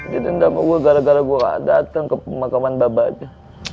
dia dendam sama gua gara gara gua gak datang ke pemakaman babaknya